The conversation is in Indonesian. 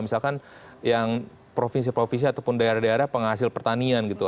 misalkan yang provinsi provinsi ataupun daerah daerah penghasil pertanian gitu